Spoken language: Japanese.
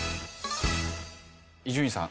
伊集院さん